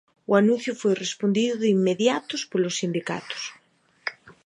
O anuncio foi respondido de inmediatos polos sindicatos.